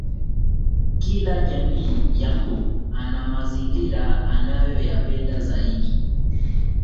Kila jamii ya mbu ana mazingira anayoyapenda zaidi